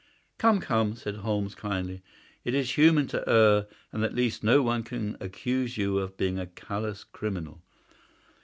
"Come, come," said Holmes, kindly; "it is human to err, and at least no one can accuse you of being a callous criminal.